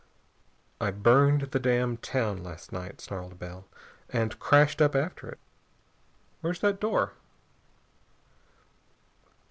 "I burned the damned town last night," snarled Bell, "and crashed up after it. Where's that door?"